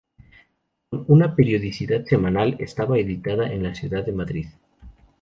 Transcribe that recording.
Con una periodicidad semanal, estaba editada en la ciudad de Madrid.